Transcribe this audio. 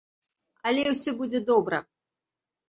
Але ўсе будзе добра!